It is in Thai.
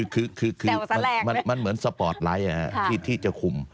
คือมันเหมือนสปอร์ตไลท์ที่จะคุม